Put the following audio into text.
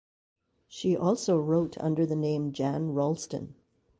She also wrote under the name Jan Ralston.